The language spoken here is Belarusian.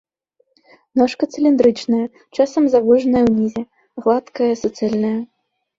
Ножка цыліндрычная, часам завужаная ўнізе, гладкая, суцэльная.